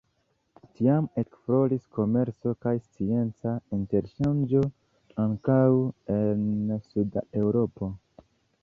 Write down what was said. Tiam ekfloris komerco kaj scienca interŝanĝo, ankaŭ en suda Eŭropo.